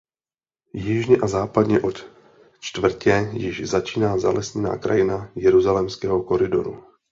Jižně a západně od čtvrtě již začíná zalesněná krajina Jeruzalémského koridoru.